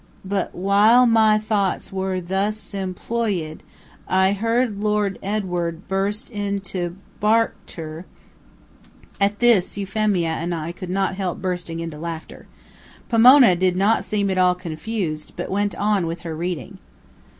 "But while my thoughts were thus employ ed, I heard Lord Edward burst into bark ter " At this Euphemia and I could not help bursting into laughter. Pomona did not seem at all confused, but went on with her reading.